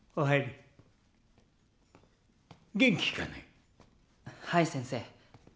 はい先生